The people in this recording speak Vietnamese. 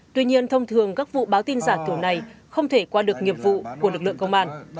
tuy nhiên thông thường các vụ báo tin giả kiểu này không thể qua được nghiệp vụ của lực lượng công an